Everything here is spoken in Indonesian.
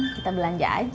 kita belanja aja